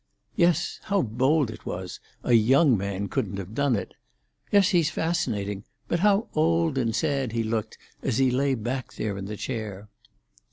"Yes. How bold it was! A young man couldn't have done it! Yes, he's fascinating. But how old and sad he looked, as he lay back there in the chair!"